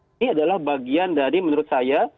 ini adalah bagian dari menurut saya